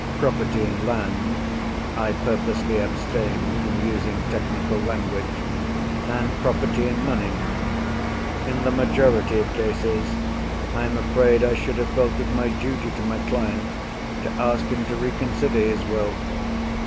Property in land (I purposely abstain from using technical language), and property in money. In the majority of cases, I am afraid I should have felt it my duty to my client to ask him to reconsider his Will.